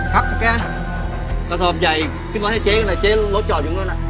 ครับแล้วซื้อสิบใหญ่อีกไปปิ่งม้อนให้เจ๊ออกมาเจ๊รถจอดอยู่โบนน่ะ